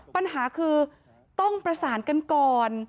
ปัญหาคือต้องประสานกันก่อน